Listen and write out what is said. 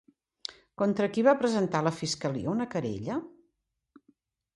Contra qui va presentar la fiscalia una querella?